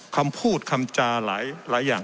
คำพูดคำจาหลายอย่าง